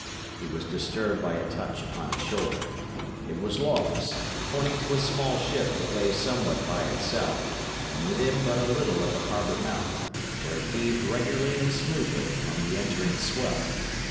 He was disturbed by a touch upon his shoulder. It was Lawless, pointing to a small ship that lay somewhat by itself, and within but a little of the harbour mouth, where it heaved regularly and smoothly on the entering swell.